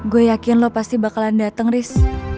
gue yakin lo pasti bakalan dateng riz